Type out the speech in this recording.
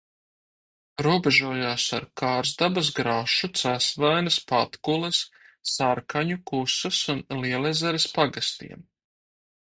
Robežojās ar Kārzdabas, Grašu, Cesvaines, Patkules, Sarkaņu, Kusas un Liezeres pagastiem.